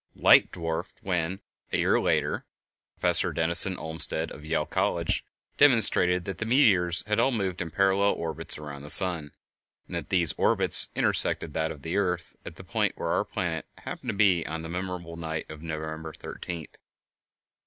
Light dawned when, a year later, Prof. Denison Olmsted, of Yale College, demonstrated that the meteors had all moved in parallel orbits around the sun, and that these orbits intersected that of the earth at the point where our planet happened to be on the memorable night of November 13th.